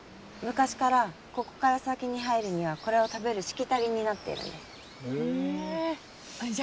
昔からここから先に入るにはこれを食べるしきたりになっているんです。